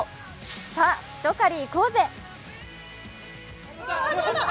さあ、ひと狩り行こうぜ！